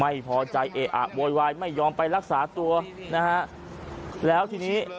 ไม่พอใจเอะอะโวยวายไม่ยอมไปรักษาตัวนะฮะแล้วทีนี้